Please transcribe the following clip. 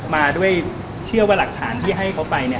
มาด้วยเชื่อว่าหลักฐานที่ให้เขาไปเนี่ย